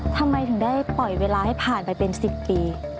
ทำไมถึงได้ปล่อยเวลาให้ผ่านไปเป็น๑๐ปี